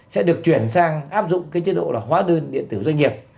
sẽ được chuyển sang áp dụng cái chế độ là hóa đơn điện tử doanh nghiệp